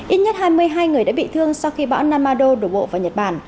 ít nhất hai mươi hai người đã bị thương sau khi bão namadon đổ bộ vào nhật bản